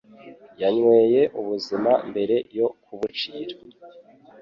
Yanyweye ubuzima mbere yo kubucira.